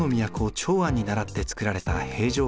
長安にならってつくられた平城京。